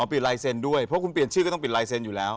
อ๋อเปลี่ยนไลเซนด้วยเพราะคุณเปลี่ยนชื่อก็ต้องเปลี่ยนไลเซนอยู่แล้ว